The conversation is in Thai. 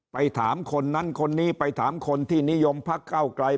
ไปถามคนนั้นคนนี้ไปถามคนที่นิยมพักเก้าไกล